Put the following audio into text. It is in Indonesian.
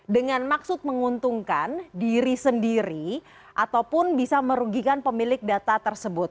dengan maksud menguntungkan diri sendiri ataupun bisa merugikan pemilik data tersebut